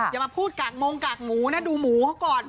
อย่ามาพูดกากมงกากหมูนะดูหมูเขาก่อน